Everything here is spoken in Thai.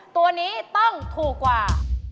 ตัวนี้ต้องถูกกว่า